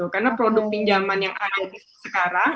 karena produk pinjaman yang ada di sekarang